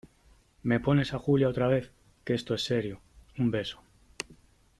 ¿ me pones a Julia otra vez ? que esto es serio . un beso .